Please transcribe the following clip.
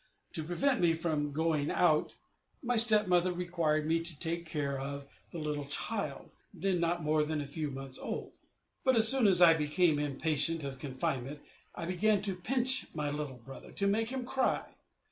To prevent me from going out, my stepmother required me to take care of the little child, then not more than a few months old; but as I soon became impatient of confinement I began to pinch my little brother, to make him cry.